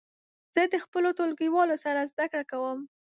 زه د خپلو ټولګیوالو سره زده کړه کوم.